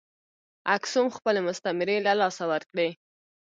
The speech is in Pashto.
اکسوم خپلې مستعمرې له لاسه ورکړې.